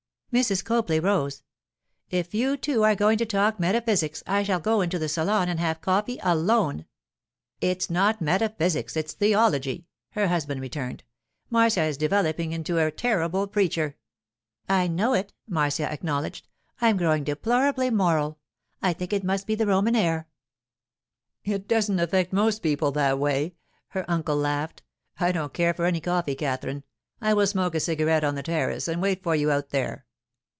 Mrs. Copley rose, 'If you two are going to talk metaphysics, I shall go into the salon and have coffee alone.' 'It's not metaphysics; it's theology,' her husband returned. 'Marcia is developing into a terrible preacher.' 'I know it,' Marcia acknowledged. 'I'm growing deplorably moral; I think it must be the Roman air.' 'It doesn't affect most people that way,' her uncle laughed. 'I don't care for any coffee, Katherine. I will smoke a cigarette on the terrace and wait for you out there.